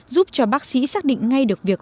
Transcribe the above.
giúp cho bác sĩ xác định ngay được việc